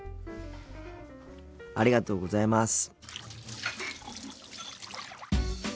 ありがとうございます。